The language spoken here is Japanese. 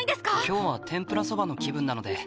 今日は天ぷらそばの気分なので。